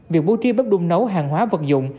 việc bố trí bếp đun nấu hàng hóa vật dụng